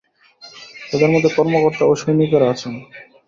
তাঁদের মধ্যে কর্মকর্তা ও সৈনিকেরা আছেন।